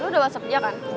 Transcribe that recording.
lo udah masak ya kan